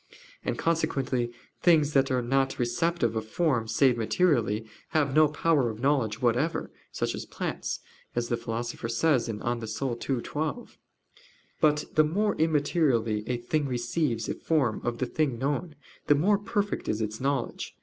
And consequently things that are not receptive of forms save materially, have no power of knowledge whatever such as plants, as the Philosopher says (De Anima ii, 12). But the more immaterially a thing receives the form of the thing known, the more perfect is its knowledge.